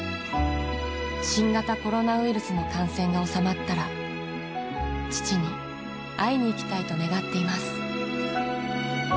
新型コロナウイルスの感染が収まったら父に会いに行きたいと願っています。